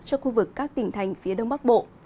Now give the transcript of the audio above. cho khu vực các tỉnh thành phía đông bắc bộ